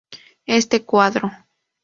Este cuadro